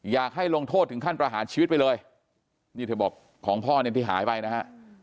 อยากให้ลงโทษถึงขั้นประหารชีวิตไปเลยนี่เธอบอกของพ่อเนี่ยที่หายไปนะฮะ